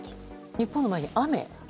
日本の前に、雨？